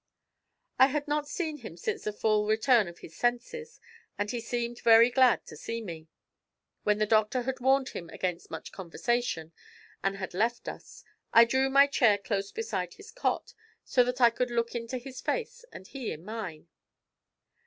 I had not seen him since the full return of his senses, and he seemed very glad to see me. When the doctor had warned him against much conversation, and had left us, I drew my chair close beside his cot, so that I could look into his face and he in mine.